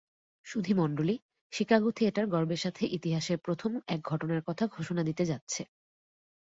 সুধীমণ্ডলী, Chicago theatre গর্বের সাথে ইতিহাসের প্রথম এক ঘটনার কথা ঘোষণা দিতে যাচ্ছে!